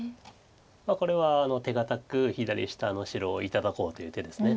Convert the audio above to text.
これは手堅く左下の白を頂こうという手です。